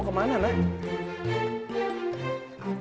pasang dulu dasinya